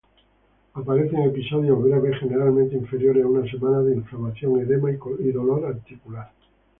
Aparecen episodios breves, generalmente inferiores a una semana, de inflamación, edema y dolor articular.